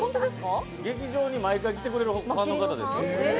劇場に毎回来てくれるファンの方です。